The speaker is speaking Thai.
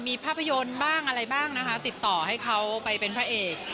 มีภาพยนตร์บ้างอะไรบ้างนะคะติดต่อให้เขาไปเป็นพระเอก